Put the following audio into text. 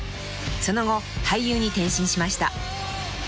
その後俳優に転身しました］